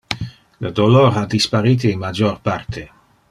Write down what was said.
Le dolor ha disparite in major parte.